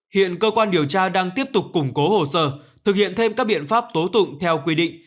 hiện cơ quan điều tra đang tiếp tục củng cố hồ sơ thực hiện thêm các biện pháp tố tụng theo quy định